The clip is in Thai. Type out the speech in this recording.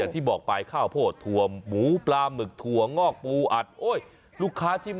อารมณ์ของแม่ค้าอารมณ์การเสิรฟนั่งอยู่ตรงกลาง